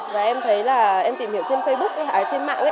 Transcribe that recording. và em thấy là em tìm hiểu trên facebook hay trên mạng